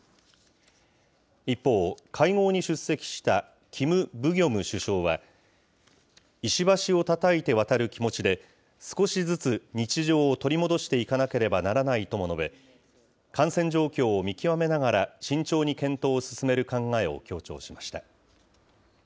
一方、会合に出席したキム・ブギョム首相は、石橋をたたいて渡る気持ちで、少しずつ日常を取り戻していかなければならないとも述べ、感染状況を見極めながら、慎重に検討を進める考えを強調しました。